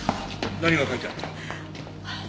何が書いてあった？